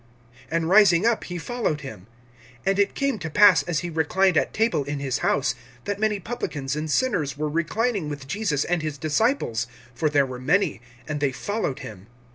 And rising up he followed him. (15)And it came to pass, as he reclined at table in his house, that many publicans and sinners were reclining with Jesus and his disciples; for there were many, and they followed him.